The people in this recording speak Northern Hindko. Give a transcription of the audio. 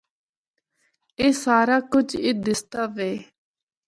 اے سارا کجھ اے دسدا وے۔